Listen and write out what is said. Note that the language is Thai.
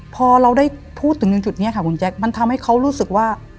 พอเราได้พูดถึงตรงจุดนี้ค่ะคุณแจ๊คมันทำให้เขารู้สึกว่า